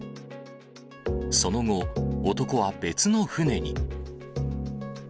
その後、男は別の船に。